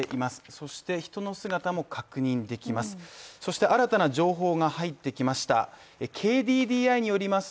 そして人の姿も確認できます。